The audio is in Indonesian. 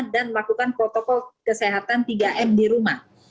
dan melakukan protokol kesehatan tiga m di rumah